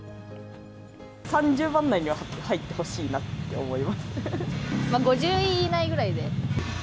３０番台には入ってほしいな５０位以内ぐらいで。